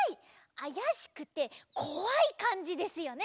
あやしくてこわいかんじですよね？